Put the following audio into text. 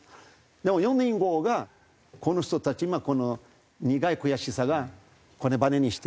でも４年後がこの人たちこの苦い悔しさがこれバネにして。